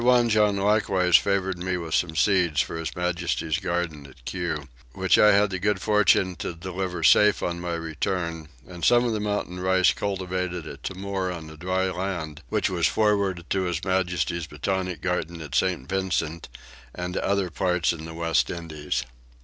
Wanjon likewise favoured me with some seeds for His Majesty's garden at Kew which I had the good fortune to deliver safe on my return: and some of the mountain rice cultivated at Timor on the dry land, which was forwarded to His Majesty's botanic garden at St. Vincent, and to other parts in the West Indies.